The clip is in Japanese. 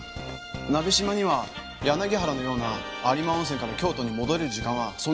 鍋島には柳原のような有馬温泉から京都に戻れる時間は存在しません。